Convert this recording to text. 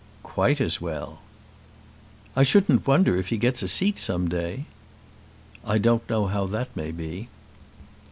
"Quite as well." "I shouldn't wonder if he gets a seat some day." "I don't know how that may be."